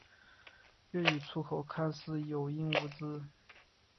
粤语粗口看似有音无字。